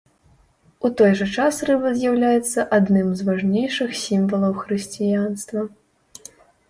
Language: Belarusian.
У той жа час рыба з'яўляецца адным з важнейшых сімвалаў хрысціянства.